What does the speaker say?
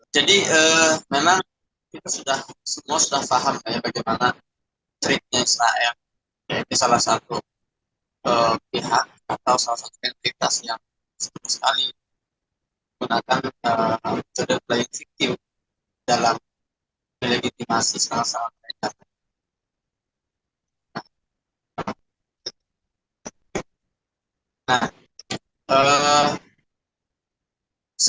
jadi memang kita sudah semua sudah paham ya